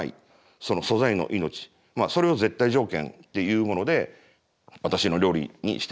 その素材の命それを絶対条件っていうもので私の料理にしてるんですけど。